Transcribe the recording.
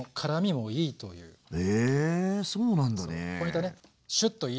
へそうなんだね！